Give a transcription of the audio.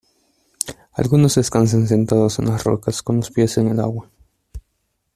algunos descansan sentados en las rocas, con los pies en el agua: